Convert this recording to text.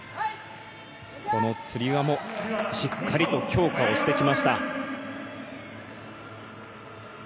このつり輪もしっかりと強化してきました。